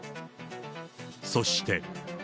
そして。